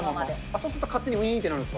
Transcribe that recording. そうすると勝手にういーんってなるんですか？